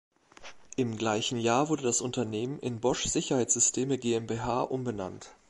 Im gleichen Jahr wurde das Unternehmen in "Bosch Sicherheitssysteme GmbH" umbenannt.